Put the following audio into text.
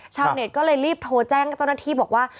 ชาวเน็ตก็เลยรีบโทรแจ้งเจ้าหน้าที่บอกว่า